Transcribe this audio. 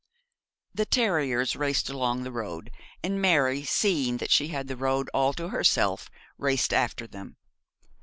The terriers raced along the road, and Mary, seeing that she had the road all to herself, raced after them.